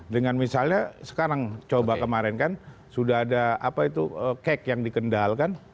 dengan misalnya sekarang coba kemarin kan sudah ada kek yang dikendal kan